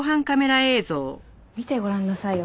見てごらんなさいよ